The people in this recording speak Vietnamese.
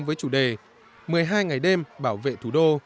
với chủ đề một mươi hai ngày đêm bảo vệ thủ đô